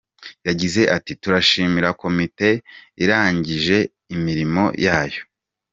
Yagize ati “Turashimira komite irangije imirimo yayo.